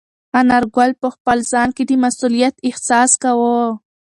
انارګل په خپل ځان کې د مسؤلیت احساس کاوه.